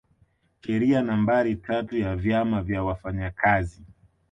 Sheria nambari tatu ya vyama vya wafanyakazi